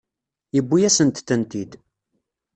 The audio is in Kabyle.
Yewwi-yasent-tent-id.